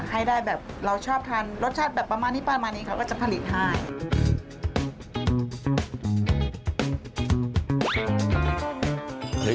ให้ได้แบบเราชอบทานรสชาติแบบประมาณนี้ประมาณนี้เขาก็จะผลิตให้